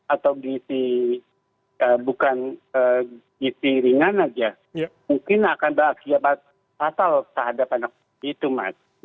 atau gizi bukan gizi ringan saja mungkin akan berakibat fatal terhadap anak itu mas